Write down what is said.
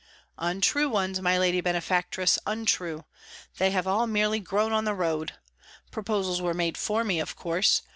"Untrue ones, my lady benefactress, untrue, they have all merely grown on the road. Proposals were made for me, of course.